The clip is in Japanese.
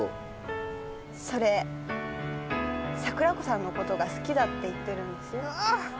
「それ桜子さんの事が好きだって言ってるんですよ」